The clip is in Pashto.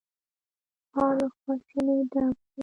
ښار له خواشينۍ ډک و.